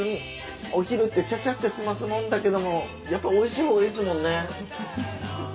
お昼ってチャチャって済ますもんだけどもやっぱおいしいほうがいいっすもんね。